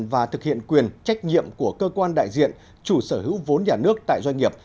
và thực hiện quyền trách nhiệm của cơ quan đại diện chủ sở hữu vốn nhà nước tại doanh nghiệp